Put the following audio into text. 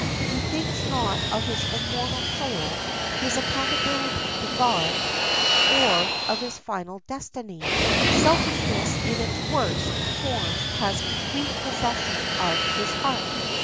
He thinks not of his immortal soul, his accountability to God, or of his final destiny. Selfishness in its worst form has complete possession of his heart.